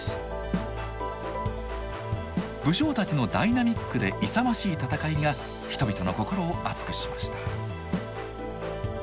武将たちのダイナミックで勇ましい戦いが人々の心を熱くしました。